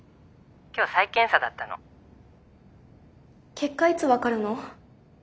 結果いつ分かるの？